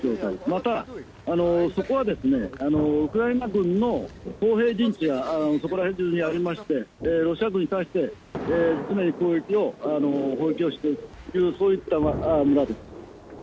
また、そこはですね、ウクライナ軍のほうへいじんちがそこら中にありまして、ロシア軍に対して常に攻撃をしている、そういった場所です。